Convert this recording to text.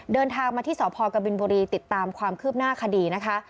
เดินทางมาที่สพกบินบุรีติดตามความคืบหน้าคดีนะคะ